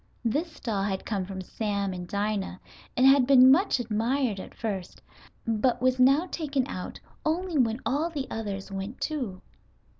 This doll had come from Sam and Dinah and had been much admired at first, but was now taken out only when all the others went too.